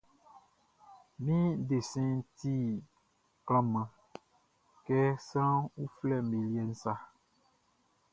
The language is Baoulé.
Mi desɛnʼn timan klanman kɛ sran uflɛʼm be liɛʼn sa.